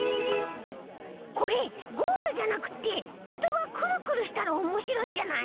これゴールじゃなくってひとがクルクルしたらおもしろいんじゃない？